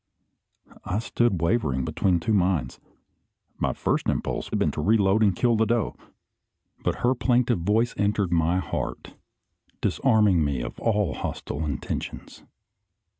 I stood wavering between two minds. My first impulse had been to reload and kill the doe; but her plaintive voice entered my heart, disarming me of all hostile intentions.